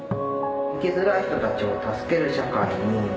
生きづらい人たちを助ける社会に。